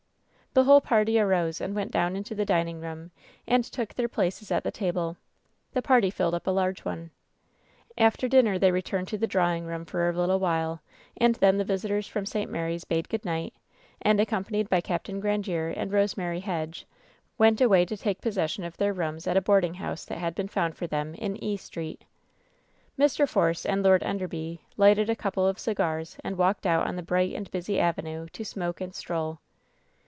The whole party arose and went down into the dining room and took their places at the table; the party filled up a large one. «84. WHEN SHADOWS DIE After dinner they returned to the drawing room for a little while, and then the visitors from St. ifary's bade pfood night, and — accompanied by Capt. Grandiere and Rosemary Hedge — went away to take possession of their rooms at a boarding house that had been found for them in E Street. ^ifr. Force and Lord Enderby lighted a couple of cigars and walked out on the bright and busy avenue to smoke and stroll.